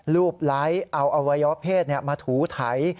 รูปไล้เอาอวัยวะเพศมาถูไถ